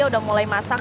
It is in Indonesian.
udah mulai masak